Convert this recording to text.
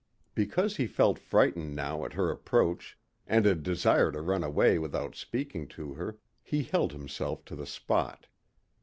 Because he felt frightened now at her approach and a desire to run away without speaking to her, he held himself to the spot.